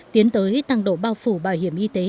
tiến tới tăng độ bao phủ bảo hiểm y tế